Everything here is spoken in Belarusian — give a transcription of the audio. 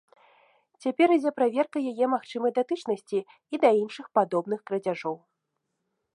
Цяпер ідзе праверка яе магчымай датычнасці і да іншых падобных крадзяжоў.